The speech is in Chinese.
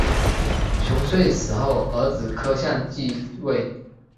熊遂死后儿子柯相继位。